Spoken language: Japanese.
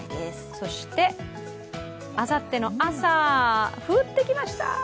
そして、あさっての朝、降ってきました。